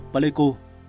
và lây cu